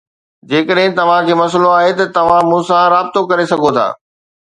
جيڪڏهن توهان کي مسئلو آهي ته توهان مون سان رابطو ڪري سگهو ٿا